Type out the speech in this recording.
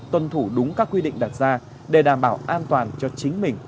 tuân thủ đúng các quy định đặt ra để đảm bảo an toàn cho chính mình